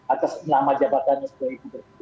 atas ilama jabatannya sendiri